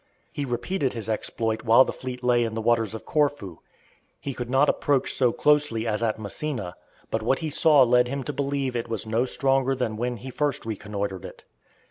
He repeated his exploit while the fleet lay in the waters of Corfu. He could not approach so closely as at Messina, but what he saw led him to believe it was no stronger than when he first reconnoitred it.